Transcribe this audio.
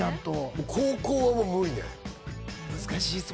高校はもう無理ね。